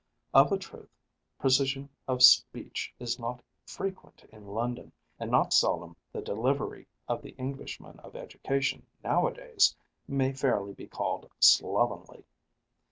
Of a truth, precision of speech is not frequent in London, and not seldom the delivery of the Englishman of education nowadays may fairly be called slovenly.